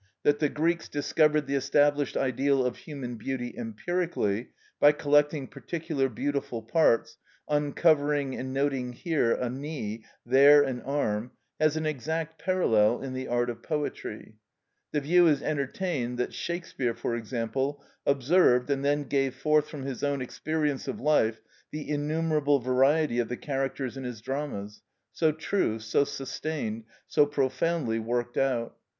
p. 384) that the Greeks discovered the established ideal of human beauty empirically, by collecting particular beautiful parts, uncovering and noting here a knee, there an arm, has an exact parallel in the art of poetry. The view is entertained, that Shakespeare, for example, observed, and then gave forth from his own experience of life, the innumerable variety of the characters in his dramas, so true, so sustained, so profoundly worked out.